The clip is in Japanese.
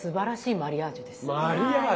マリアージュ。